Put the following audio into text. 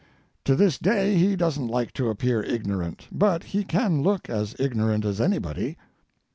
To this day he don't like to appear ignorant, but he can look as ignorant as anybody.